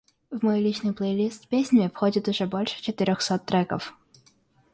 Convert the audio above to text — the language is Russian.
В мой личный плейлист с песнями входит уже больше четырёхсот треков.